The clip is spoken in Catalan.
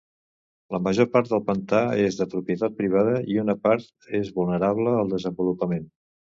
La major part del pantà és de propietat privada i una part és vulnerable al desenvolupament.